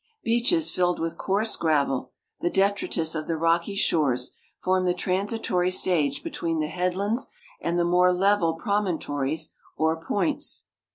Beaches filled with coarse gravel, the detritus of the rocky shores, form the transitoi'y stage between the headlands and the more level promontories ov points.